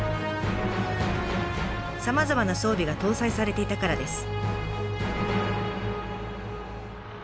さまざまな装備が搭載されていたからです。